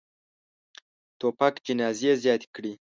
توپک جنازې زیاتې کړي.